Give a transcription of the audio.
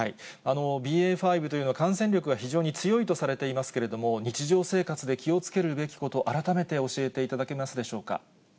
．５というのは、感染力が非常に強いとされていますけれども、日常生活で気をつけるべきこと、改めて教えていただけますでしょうか。